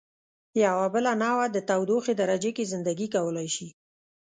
یوه بله نوعه د تودوخې درجې کې زنده ګي کولای شي.